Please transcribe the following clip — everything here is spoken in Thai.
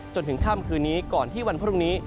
จนถึงขั้นคืนนี้ก่อนอา๑๙๕๐วันพรุ่งนี้